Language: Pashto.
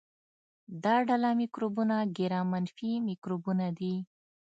دا ډله مکروبونه ګرام منفي مکروبونه دي.